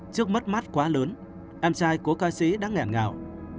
trước mắt mắt quá lớn em trai của ca sĩ đã nghẹn ngào